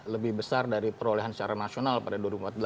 lebih besar dari perolehan secara nasional pada dua ribu empat belas